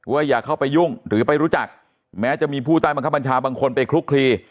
อย่าเข้าไปยุ่งหรือไปรู้จักแม้จะมีผู้ใต้บังคับบัญชาบางคนไปคลุกคลี